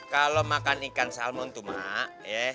kalau makan ikan salmon tuh mak